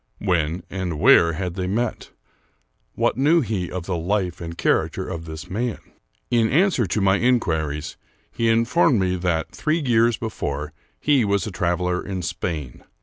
When and where had they met ? What knew he of the life and character of this man? In answer to my inquiries, he informed me that, three 239 American Mystery Stories years before, he was a traveler in Spain.